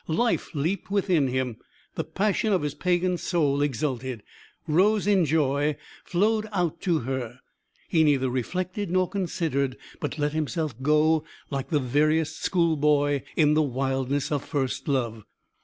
Life leaped within him. The passion of his pagan soul exulted, rose in joy, flowed out to her. He neither reflected nor considered, but let himself go like the veriest schoolboy in the wildness of first love.